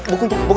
buku buku buku